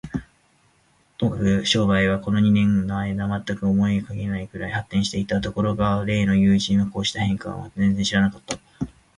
ともかく商売は、この二年間のあいだに、まったく思いもかけぬくらいに発展していた。ところが例の友人は、こうした変化を全然知らなかった。